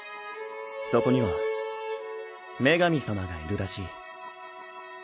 そこには女神様がいるらしい。